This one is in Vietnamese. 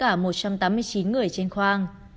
làm thiệt mạng tất cả một trăm tám mươi chín người trên khoang